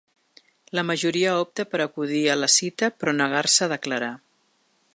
La majoria opta per acudir a la cita però negar-se a declarar.